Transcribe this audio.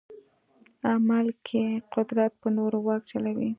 عمل کې قدرت پر نورو واک چلوي.